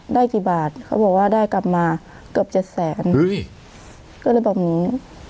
ได้กี่บาทเขาบอกว่าได้กลับมาเกือบเจ็ดแสนก็เลยบอกอย่างงี้